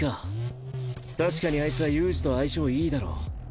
確かにあいつは悠仁と相性いいだろ。